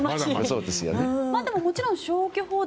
そうですね。